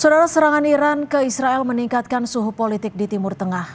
saudara serangan iran ke israel meningkatkan suhu politik di timur tengah